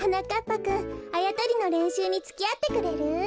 ぱくんあやとりのれんしゅうにつきあってくれる？